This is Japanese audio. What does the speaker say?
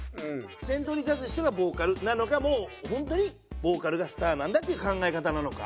先頭に立つ人がボーカルなのかもう本当にボーカルがスターなんだっていう考え方なのか。